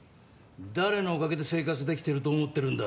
誰のおかげで生活できていると思ってるんだ。